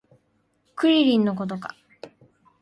クリリンのことか